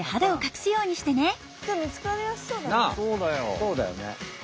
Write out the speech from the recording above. そうだよね。